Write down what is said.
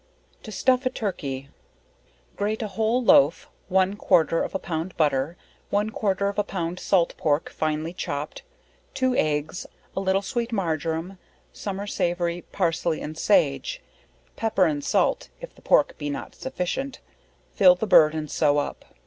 To stuff a Turkey. Grate a wheat loaf, one quarter of a pound butter, one quarter of a pound salt pork, finely chopped, 2 eggs, a little sweet marjoram, summer savory, parsley and sage, pepper and salt (if the pork be not sufficient,) fill the bird and sew up.